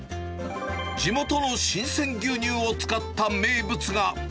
地元の新鮮牛乳を使った名物が。